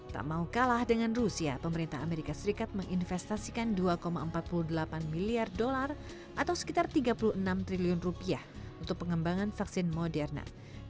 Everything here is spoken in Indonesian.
tak mau kalah dengan rusia pemerintah amerika serikat menginvestasikan dua empat puluh delapan miliar dolar atau sekitar tiga puluh enam triliun rupiah untuk pengembangan vaksin moderna